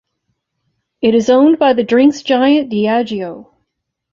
It is owned by the drinks giant Diageo.